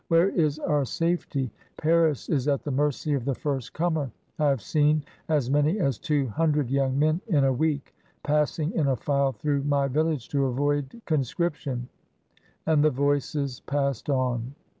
"Where is our safety? Paris is at the mercy of the first comer. I have seen as many as two hundred young men in a week passing in a file through my village to avoid conscription." And the voices passed on.